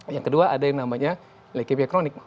yang kedua ada yang namanya leukemia kronik